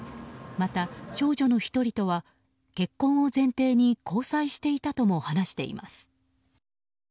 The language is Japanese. また、少女の１人とは結婚を前提に交際していたとも話しています。